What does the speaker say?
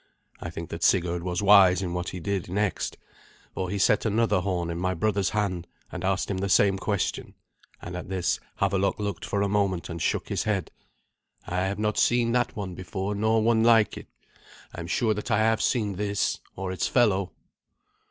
I think that Sigurd was wise in what he did next, for he set another horn in my brother's hand, and asked him the same question; and at this Havelok looked for a moment and shook his head. "I have not seen that one before, nor one like it. I am sure that I have seen this, or its fellow."